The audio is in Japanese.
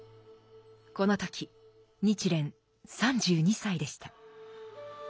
この時日蓮３２歳でした。